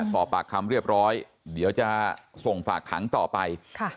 สอบปากคำเรียบร้อยเดี๋ยวจะส่งฝากขังต่อไป